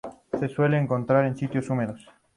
Se suele encontrar en sitios húmedos.